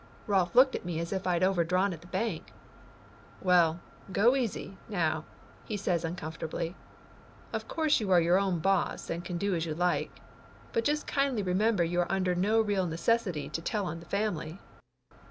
Rolf looked at me as if he'd overdrawn at the bank. "Well, go easy, now!" he says uncomfortably. "Of course you are your own boss and can do as you like, but just kindly remember you are under no real neces sity to tell on the family."